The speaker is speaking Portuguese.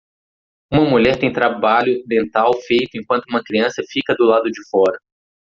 Uma mulher tem trabalho dental feito enquanto uma criança fica do lado de fora.